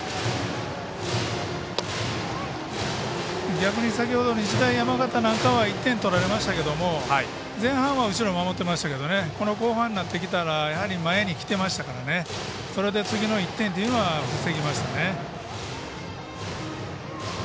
逆に先ほど日大山形なんかは１点取られましたけど前半は後ろ守ってましたけど後半になってきたらやはり前にきてましたからそれで次の１点というのは防ぎましたね。